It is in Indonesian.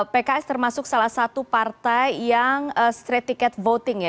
pks termasuk salah satu partai yang straight tiket voting ya